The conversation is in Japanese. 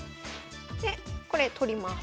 でこれ取ります。